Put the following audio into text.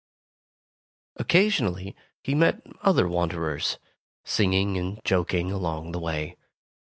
Occasionally he met other wanderers, singing and joking along the way.